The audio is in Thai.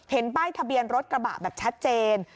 เห็นใบ้ทะเบียนรถกระบะแบบชัดเจน